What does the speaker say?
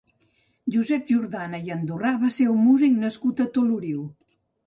Josep Jordana i Andorrà va ser un músic nascut a Toloriu.